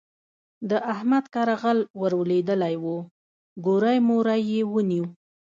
د احمد کره غل ور لوېدلی وو؛ ګوری موری يې ونيو.